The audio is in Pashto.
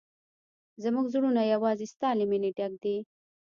زموږ زړونه یوازې ستا له مینې ډک دي.